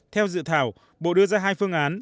theo dự thảo bộ đưa ra hai phương án